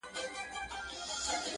بلکي د ژوندۍتجربي په بنسټ وایم